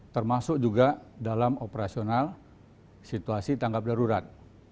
termasuk juga dalam operasional situasi tanggap darurat